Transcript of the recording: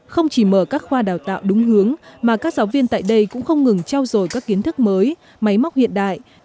không chỉ mở các khoa đào tạo đúng hướng mà các giáo viên tại đây cũng không ngừng trao dồi các kiến thức mới máy móc hiện đại